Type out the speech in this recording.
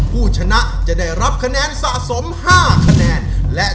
ผู้ชนะจะได้รับคะแนนสะสม๕คะแนนและ